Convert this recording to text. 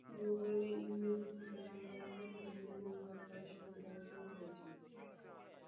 গুগলে ইংরেজি থেকে বাংলা, বাংলা থেকে ইংরেজিতে অনুবাদ করার সুবিধাও যোগ হয়েছে।